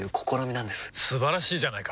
素晴らしいじゃないか！